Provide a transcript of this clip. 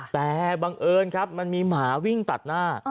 แต่บังเอิญครับมันมีหมาวิ่งตัดหน้า